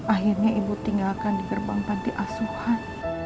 akhirnya ibu tinggalkan di gerbang panti asuhan